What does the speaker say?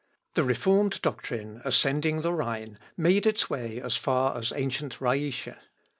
] The reformed doctrine, ascending the Rhine, made its way as far as ancient Rhætia.